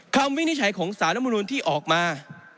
วินิจฉัยของสารมนุนที่ออกมา